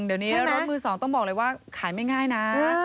เดี๋ยวนี้รถมือ๒ต้องบอกเลยว่าขายไม่ง่ายนะ